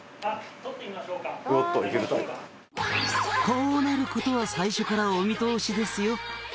「こうなることは最初からお見通しですよ！」